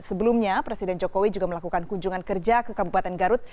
sebelumnya presiden jokowi juga melakukan kunjungan kerja ke kabupaten garut